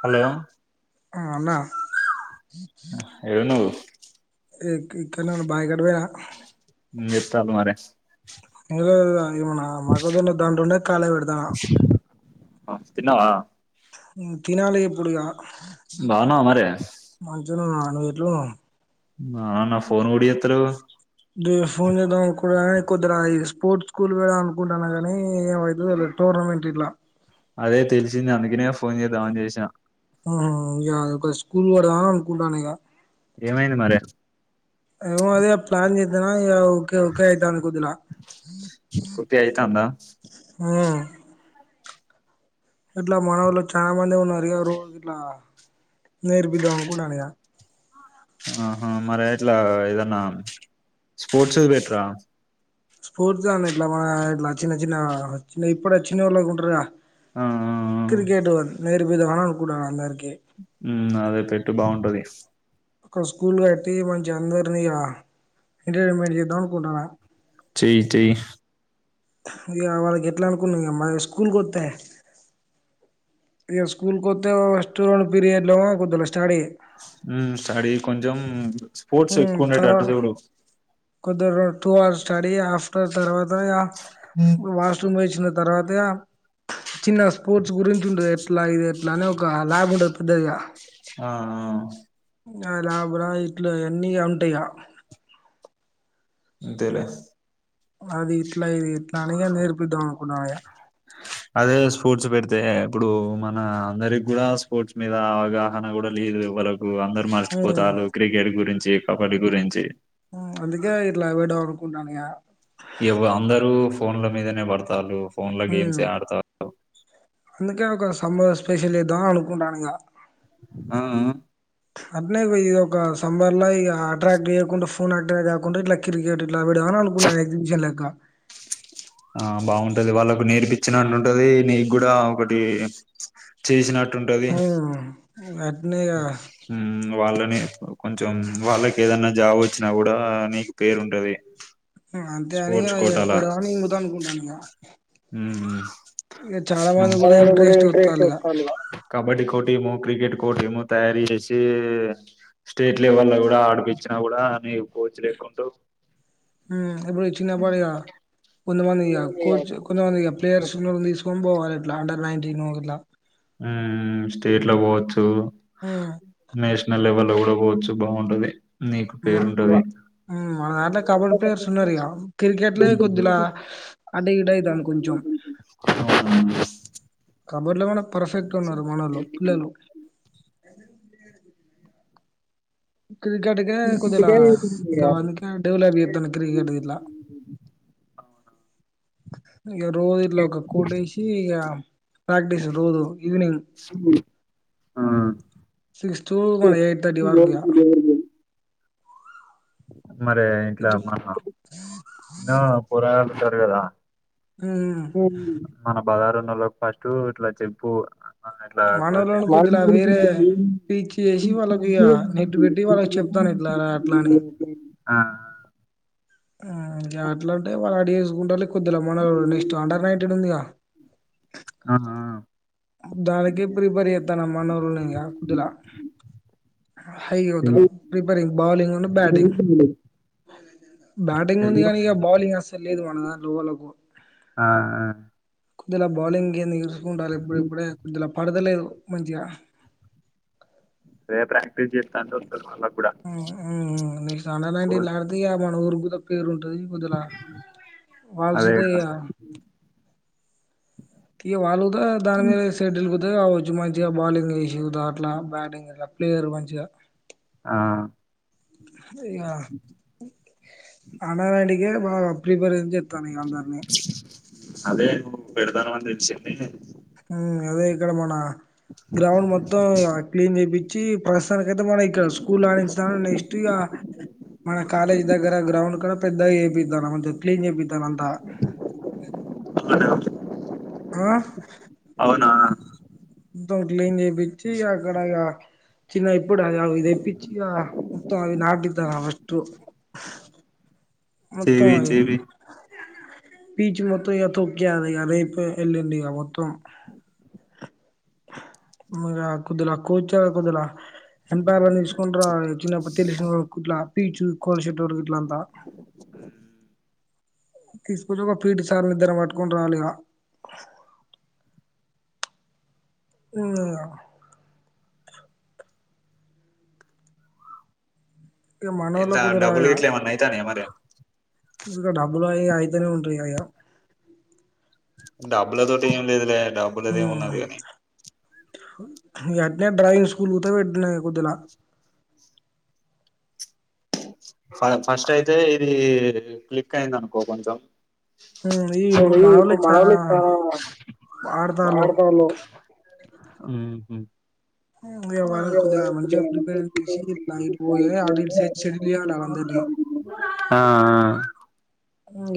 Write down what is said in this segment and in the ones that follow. Hello హా అన్న హ్ ఏడున్నావ్ ఏ ఇక ఇక్కనే ఉన్న బాయిగాడ్ నువ్వు యా త్తాళ్లు మారే ఎనిమిది రోజులు ఇలా ఇది మొన మొక్కజొన్న దాంటో ఉంటే కాలేది పెడుతన ఆ తిన్నావా హ్మ్ తినాలి ఇప్పుడు ఇగ బాగున్నావా మరే మంచిగానే ఉన్న నువ్వు ఎట్లున్నావ్ మ్మ్ ఆ నా ఫోన్ కూడా ఎత్తలేవ్. దే ఫోన్ చేద్దాం అనుకుంటాన గాని కొద్దిర ఈ స్పోర్ట్స్ స్కూల్ పెడదాం అనుకుంటున్న గాని ఈ ఏమైతదో తెల్వదు టోర్నమెంట్ ఇట్లా అదే తెలిసింది అందుకనే ఫోన్ చేద్దామని చేసిన ఊ ఒక స్కూల్ పెడదాం అనుకుంటానా ఇగ ఏమైంది మరే అ అదే ప్లాన్ చేద్దామా ఇగ ఓకే ఓకే అయితాంది పొద్దున కుట్టి అయితాందా మ్మ్ ఇట్లా మా వాళ్ళు చాలా మంది ఉన్నారు ఇగ రోజు ఇట్లా నేర్పిద్దాం అనుకుంటాన ఇగ ఆహా మరి ఇట్లా ఏదన్నా స్పోర్ట్స్ పెట్రా స్ఫూర్తి అనీ ఇట్లా మన ఇట్లా చిన్న చిన్న చిన్న ఇప్పుడ వచ్చిన వాళ్ళకి ఉంటారు ఆ ఆ క్రికెట్ వన్ నేర్పిధమా అనుకుంటున్న అందరికీ ఉ అదే పెట్టు బాగుంటది ఒక స్కూల్ కట్టి మంచి అందరినీ ఎంటర్టైన్మెంట్ చేద్దాం అనుకుంటున్న చెయ్ చెయ్ ఇక వాళ్ళకి ఎట్లా అనుకున్నా మన స్కూల్ వస్తే ఇక స్కూల్కి స్తతే ఫస్ట్ రెండు పీరియడ్ లోమ కొద్ సడీ కొంచెం స్పోర్ట్స్ ఎక్కువ తర్వా ఉండేటట్టు చూడు కొద్ది టూ అవర్స్ స్టడీ ఆఫ్టర్ తర్వాత వాష్రూమ్ పోయిచ్చిన తర్వాత చిన్న స్పోర్ట్స్ గురించి ఉండది ఎట్లా ఇది ఎట్లా అనే ఒక ల్యాబ్ ఉండదు పెద్దదిగా ఆ ఆ ఆ [unintelligible] ఇట్లు అన్నీ ఉంటాయి ఇగ ఇంతేలే అది ఇట్లా ఇది ఇట్లా అనేగ నేర్పిద్దం అనుకున్నా ఆయ అదే స్పోర్ట్స్ పెడితే ఇప్పుడు మన అందరికి కూడా స్పోర్ట్స్ మీద అవగాహన కూడా లేదు ఎవ్వల అందరు హ్మ్ మర్చిపోతారు క్రికెట్ గురి చి కపాటి గురించి ఉండానిగ ఎవ అందరు ఫోన్ల మీదనే పడత చాలు ఫోన్ లో హ్మ్ గేమ్సై ఆడతా అందుకే ఒక సమ్మర్ స్పెషలేద్దాం అనుకుంటానా ఇగ మ్మ్ మ్మ్ అట్నేయి పోయి ఇది ఒక సమ్మర్ లా ఇగ అట్ట్రాక్ట్ చేయకుండా ఫో ఫోన్ అట్ట్రాక్ట్ కాకుండా ఇట్ల క్రికెట్ ఇలా పెడదాం అనుకున్నా ఎగ్జిబిషన్ లెక్క ఆ బాగుంటది వాళ్ళకు నేర్పించినట్టు ఉంటది నీకు కూడా ఒకటి చేసినట ఆ అట్నే ఇగ ఉమ్ వాళ్ళని కొంచెం వాళ్ళకి ఏదన్నా జాబ్ వచ్చినా కూడా నీకు పేరు ఉంటది అంతే అని స్పోర్ట్స్ ఇగ కోటలాస్ పెడదామని ఇంగుతా అనుకుంటాను ఇగ ఉమ్ ఇగ చాలా మంది కూడా ఇంట్రెస్ట్ వత్తాల్లు ఇగ కబడ్డీ కోర్ట్ ఏమో క్రికెట్ కోర్ట్ ఏమో తయారు చేసి స్టేట్ లెవెల్ లో కూడా ఆడిపిచ్చిన కూడా అని కోచ్ లేక్కుంటూ ఎప్పుడు చిన్న పడయా కొంతమందిక కోచ్ కొంతమంది ఇగ ప్లేయర్స్ ఉన్నోళ్లని తీసుకొని పోవాలి అండర్ నైన్ంటీన్ ఇట్లా ఉమ్ స్టేట్ లో పోవచ్చు ఉమ్ నేషనల్ లెవల్ లో తకోవచ్చు బాగుంటది నీకు మన్ పేరుంటది మన దాంట్లో కబడ్డీ ప్లేయర్స్ ఉన్నారు ఇగా క్రికెట్లే కొద్దిలా అంట ఈడ అయితాం కొంచెం తబర్లో పర్ఫెక్ట్ ఉన్నారు మనలో పిల్లలు క్రికెట్కే కొద్దిలా ఇంకా అందుకే డెవలప్ చేతను క్రికెటిక్ ఇట్లా ఇక రోజు ఇట్లా ఒక కోట్ వేసి ఇక ప్రాక్టీస్ రోజు ఈవినింగ్ ఆ సిక్స్ టూ ఎయిట్ థర్టీ వరకు ఇగ మరి ఇంట్లా ఇగ మన్నా ఇంట్లో కూరగాయ తోరగ రా ఉమ్ హ బజారున్న లో ఫస్ట్ ఇట్లా చెప్పు మనోళ్ళను కొద్దిలా వేరే టీచ్ చేసి వాళ్ళకి ఇగ నెట్ పెట్టి వాళ్ళకి చెప్తాను ఇట్లారా అట్లా అని [unintelligible] ఆ ఎట్లా అంటే వాళ్ళు అడి చేేసుకుంటారులే కొద్దిగామ్మన నెక్స్ట్ అండర్ నైంటటీీన్ ఉందిగా ఆ దానికే ప్రిపేర్ చెత్తన్నాము అనోరుం కుదిలా హై అతుల చెయ్ ప్రిపేరింగ్ బౌలింగ్ నును బ్యాటింగ్ బ్యాటింగ్ ఉంది చెయ్ కానీ బాాలింగ్ వస్త లేదు మనదాట్లో లోవలకు ఆ ఆ కుదల బౌలింగ్ ఇర్ చ ఉండాలి ఇప్పుడు ఇప్పుడే కొద్దిలా పడదలేదు మంచి గా ఎమ్ ప్రాక్టీస్ చెత్తాను ఊ ఊ ఊ నెక్స్ట్ అండర్ నైన్టీన్ లాడితే ఇ మన ఊరి కొద్ద పేరు ఉంటది కొద్దిగా వాల్స్ అదే దే కదా తీయ వాళ్ళదా దాని మీద సెటిల్ కావచ్చు మంచిగా బౌలింగ్ వేసి దా అట్లా బ్యాటింగ్గా ప్లేయర్ మంచిగా ఆ ఇగ అనార అడి ఏ వా ప్రిపేరేం చెస్తానిగ అందరినీ అదే నువ్ పెడతాను అని తెచ్చింది. ఊ అదే ఇక్కడమనా గ్రౌండ్ మొత్తం క్లీన్ చేపీంచి ప్రస్తుతానికి అయితే మన ఇక్కడ స్కూల్ లాగ చేసా నెక్స్ట్ ఇగ మన కాలేజ్ దగ్గర గ్రౌండ్ కూడా పెద్దగా చేపిస్తాను క్లీన్ చేపిస్తాను అంత అదే ఓకే గోవ పోనా మొత్తం క్లీన్ చేపించి అక్కడ ఇగ చిన్న ఇప్పుడు అది ఇది తెప్పించి ఇగ మొత్తం అవి నాటిత్తారు ఫస్ట్ చెపి చెపి పీచ్ మొత్తం ఇక తోక్కీయాద రేపు ఎల్లుండి మొత్తం ఇంగ పొద్దున కూర్చోల పొద్దున ఎంపైర్లా ని పిలుచుకుంటూ రా చిన్నప్ తేలిసిన కుట్లా పీచు కోన్ శెట్లోడు గుట్లాంత తీసుకుచ్చి ఒక పీఠ చాలిద్దరం పట్టుకుని రాలి ఇక ఊ ఇక ఎంత మనోళ్ళకు డబ్బులు గీట్లేమన్నా అయితాన్నాయ మరి ఇంగ డబ్బుల్ ఆ అయితనే ఉంటయ్ ఇగ అయ్ డబ్బుల తోటి ఏం లేదులే డబ్బులది ఏమున్నది గాని అట్నే డ్రాయింగ్ స్కూల్ కుతా పెట్న్నా కొద్దిలా ఫ ఫస్ట్ అయితే ఇది క్లిక్ అయింది అనుకో కొంచెం మరీ ఇప్పుడు మామూలే చాలా ఆడతాళ్ళు. ఊహు ఇగ వాళ్ళని కొద్దిగా మంచిగా ప్రిపేర్ చేసి ఇట్లా ఇటు పోయి అటు ఇటు సెటిల్ చేయాలి వాళ్ళందరినీ ఆ ఆ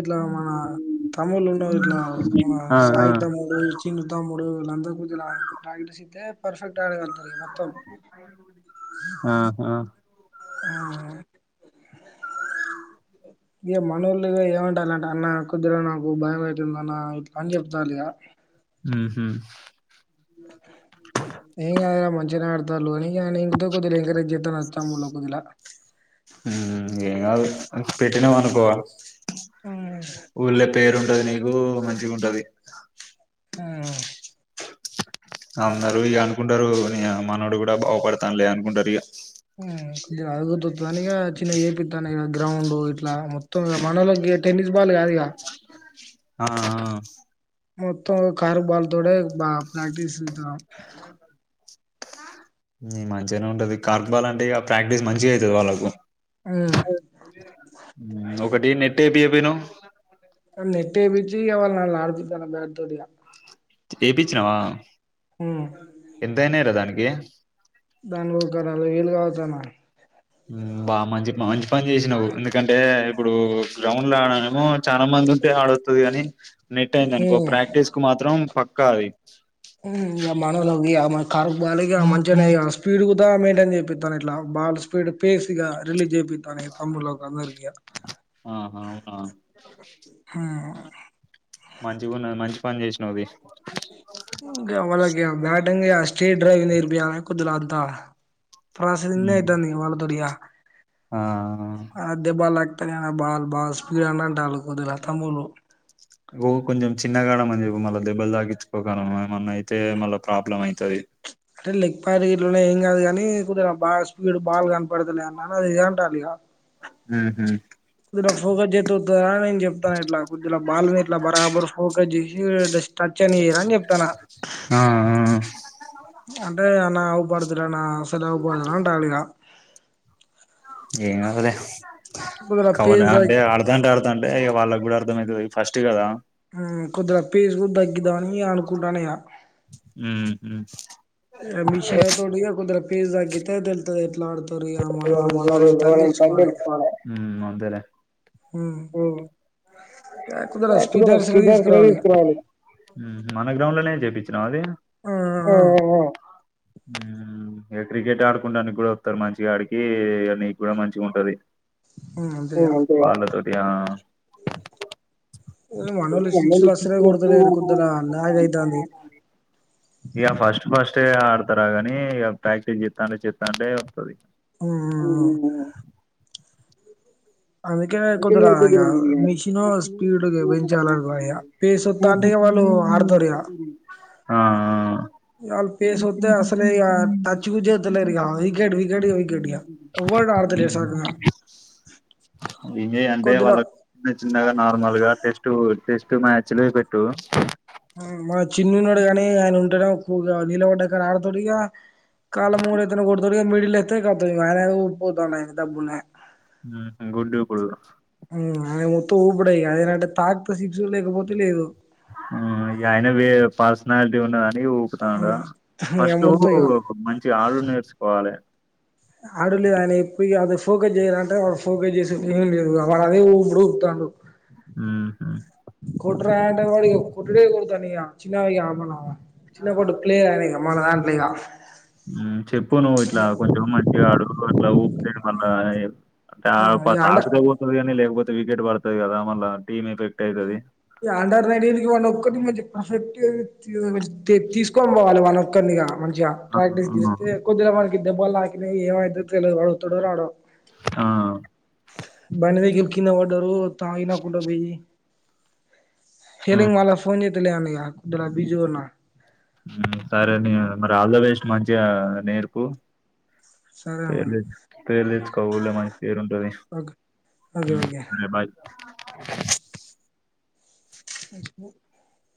ఇట్లా మన తముళ్ళు ఉన్న ఇట్లా మన ఆ సాయి ఆ తమ్ముడు చిన్న తమ్ముడు వాళ్ళందర్ ఇట్లా ఆ ఇడిసితే పర్ఫెక్ట్ అయినదంత మత్తం ఆ ఆ ఆ ఇక మనూళ్లుగా ఏమంటాలంటే అన్న కుద్దిగా నాకు భయం అయి తుందన్న ఇట్లా అని చెప్తాల ఇక ఊహు ఇంగ ఏం గాదు గ మంచిగనే ఆడు [unintelligible] హ్మ్ ఏంగాదులే పెట్టినవ నువ్ బా‌స్ ఆ స్కూల్ల పేరు ఉంటది నీకూ మంచిగ ఉంటది హ్మ్ [inaudible] [unintelligible] అందరూ ఏవనుకుంటారో మీ మనవడు కూడా బాగుపడతానులే అనుకుంటరు ఇగ [unintelligible] గ్రౌండు ఇట్లా మొత్తం మనలోకి టెన్నిస్ బాల్ కాదుగా ఆ ఆ మొత్తం కారు బాల్ తోడే బాగ ప్రాక్టీసు [unintelligible] నీకు మంచిగనే ఉంటది కార్క్ బాల్ అంటే ప్రాక్టీస్ మంచి గా అయితది వాళ్ళకు ఉమ్ ఒకటి నెట్ట్ ఏపీయపోయినవ్ [unintelligible] నెట్ ఏపిచ్చి ఏమన్నా వాళ్అడిపిత్తన్న బాట్ తోటి ఇక ఏపిచ్చినావా ఎంతైనాయి రా దానికి ఏ దానిలో ఒక నాలుగు వేలు కావచ్చు అన్న [unintelligible] మంచి పని చేసినవు ఎందుకంటే ఇప్పుడు గ్రౌండ్ లోనేమో చాలా మంది వత్తే ఆడ వత్తది గానీ నెట్ అయింది అనుకో ఉమ్ ప్రాక్టీస్కి మాత్రం పక్కా అది ఇగ మనోళ్ళకి [unintelligible] కార్క్ బాలేగ మంచిగనే ఇగ స్పీడ్ బా మెయింటైన్ చేపిత్తానిట్లా బాల్ స్పీడు పేస్ గా రిలీజ్ చేపిత్తా నీ తమ్ముళ్శకందరికి ఆహా హా మంచిగున్నది మంచి పంన్ జెస్న్నావ్ తీ [unintelligible] డెంగయ్య స్ట్రీట్ డ్రైవ్ నేర్పియా [unintelligible] తా ప్రాసదీనే మ్, ఐతదింకా వాళ్ళతోటి ఇక ఆ అదే బాలక్ అటగానబాల్ బాల్ స్పిపీడన్న [unintelligible] ఓ కొంచెం చిన్నగాడమని చెప్పు మళ్ళా దెబ్బలు తాకించుకోకగలమా ఏమన్నా అయితే మళ్ళ ప్రాబ్లమ్ అయితాది. అంటే లెగ్ [unintelligible] ఏం కాదు గానీ ఇప్పుడా బాల్ స్పీడ్ బాల్ కనపడతులే అన్నా మరి ఇదే అంటాలి ఇక మ్మ్ హ్మ్ [unintelligible] [unintelligible] చెప్తాన్నా [unintelligible] బాల్ గట్లా బరాబర్ ఫోకస్ చేసి జస్ట్ టచ్ అనిరా అని చెప్తానా ఆ ఆ అంటే నా పడుదురన్నాఫ్ [unintelligible] పో అంటండిక ఏంగాఅవదే కొద్దిగా పేస్ [unintelligible] వే తగ్ ఆడ్తా అంటే ఆడ్ అంటే వాళ్ళకు కూడా అర్థమవుతుంది ఫస్ట్ కదా హ్మ్ కుద్దిగా పేజ్ కుడ్ తగ్గిద్దామని అనుకుంటానయ్యా మ్మ్ హు ఆ మిషిన్లాతోటి కుందర పేజ్ తగితే తెలుతాది తెలుసుకోవాలే హ్మ్ అంతేలే హ్మ్ [unintelligible] మొన్ననే జేపించ నాదే ఆ ఆ ఓ ఆ ఓ ఓ మ్మ్ క్రికెట్ ఆడుకుడానికి కూడా వతారు మంచిగా ఆడికి మీకు కూడా మంచి ఉంటది ఉమ్ అంతే ఇక వాళ్లతోట్ ఇగా మనోళ్ళు సిక్స్లు అసలే కొడతలేరు కొద్దిలా లాగ్ అయితాంది యా ఫస్ట్ ఫస్ట్ స్టే ఆడతారా గాని ఇక ప్రాక్టీస్ చెస్తాంటే చెస్తాంటే ఆ మ్మ్ అందుకే కోదిరా ఇక మిషను స్పీడ్ పెంచాల ఇ పేస్ వస్తా అంటే వాళ్ళు ఆడతారు ఇక ఆ అసలే ఇగ టచ్ కూడా చేత్తలేరు ఇగ వికెట్ వికెట్ వికెట్ ఇగ ఎవ్వడు ఆడతలేడు సక్కగా [unintelligible] అంటే కొద్దిలో వాళ్ళకు చిన్న చిన్నగా నార్మల్ గా టెస్ట్ టెస్ట్ మ్యాచులే పెట్టు మా చిన్నన్నాడు గాని ఆయన ఉంటడు పో నీలబడ్డ కాడ ఆడతాడిగా కాల మూర తోని కొడతడిగా మీ లేతే కోతది [unintelligible] పోతాండు ఆయన దబ్బులేక మ్ హు గుడ్డు ఇపుడు ఊ అవి మొత్తం ఊపూడేఇక అదేనంట తాక్తే సిక్సు లేకపోతే లేదు మ్ ఇగ ఆయనవే పర్సనాలిటీ ఉన్నదన్ నీ ఊపుతండా ఇగ ఫస్టు మొత్తం ఇగ మంచిగా ఆడుడు నేర్చుకోవాలె ఆడుడ్ లేదు ఆయన ఎప్పు ఇగ ఆ ఫోకస్ చేయారంటే వాడ్ ఫోకస్ చేసుడేం లేదు వాడే ఉపూడుపుతాండు. మ్ హు [unintelligible] కొట్టుడే కొడతాండిగ చిన్నగయ మళా చిన్న కొట్టు ప్లేయరాయన ఇగ మన దాంట్లిగా పోను ఇట్లా కొంచెం మంచిగా అడుగురు మళ్ళా ఊపితే మళ్ళా ఏ అ ప ఇగ అండ తాసుదే పోతది గాని లేకపోతే వికెట్ ప గద మల్ల టీమ్ ఎఫెక్ట్ ఐతది ఈ ఆండా నడివా ఒక్కటి మంచి పర్ఫెక్ట్ తి తీసుకొని పోవాలి వాళ్ళ వక్కనిగా మనీ జాగ్ ట్రై చేస్తే కొద్దిగ మా ఈ దెబ్బలు తాకినయ్ ఏమైతదో తెలువదు వాడు వతాడో రాడో బండి దిగి కిందబడ్డారు తాయి ఇనకుంటబోయ్ హేలింగ్ వాళ్ళకి ఫోన్ చే వద్దులే అన్నయ్య దుల బిజీగా ఉన్నా మ్ సరే నీ మరి ఆల్ ద బెస్ట్ మంచిగా నేర్పు సరే అన్న పేలే పేల్ తేచ్చుకో ఊర్లో మంచి పేరు ఉంటది ఓకే ఓకే మ్ ఓకే సరే బాయ్ అ